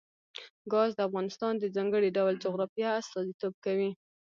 ګاز د افغانستان د ځانګړي ډول جغرافیه استازیتوب کوي.